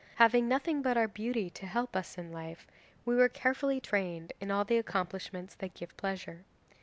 Having nothing but our beauty to help us in life, we were carefully trained in all the accomplishments that give pleasure.